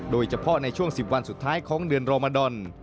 โดยเฉพาะในช่วง๑๐วันสุดท้ายของเดือนรมดอน